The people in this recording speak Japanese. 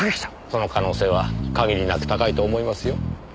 その可能性は限りなく高いと思いますよ。